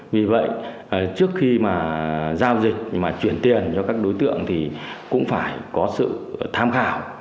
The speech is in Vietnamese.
vì vậy trước khi mà giao dịch mà chuyển tiền cho các đối tượng thì cũng phải có sự tham khảo